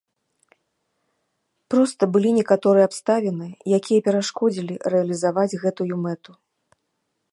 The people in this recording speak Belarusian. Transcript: Проста былі некаторыя абставіны, якія перашкодзілі рэалізаваць гэтую мэту.